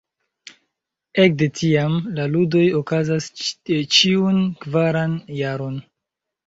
Ekde tiam, la ludoj okazas ĉiun kvaran jaron.